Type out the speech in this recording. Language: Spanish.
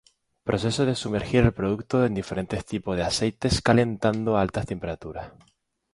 Proceso de sumergir el producto en diferentes tipo de aceites calentado a altas temperaturas.